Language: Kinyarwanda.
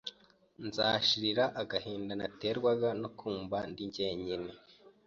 nzashirira agahinda naterwaga no kumva ndi njyenyine,